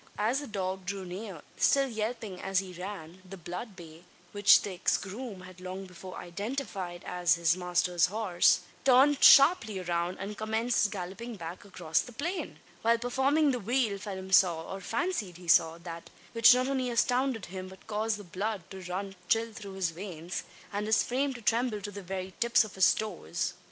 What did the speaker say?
As the dog drew near, still yelping as he ran, the blood bay which the ex groom had long before identified as his master's horse turned sharply round, and commenced galloping back across the plain! While performing the wheel, Phelim saw or fancied he saw that, which not only astounded him, but caused the blood to run chill through his veins, and his frame to tremble to the very tips of his toes.